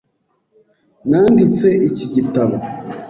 Nanditse iki gitabo .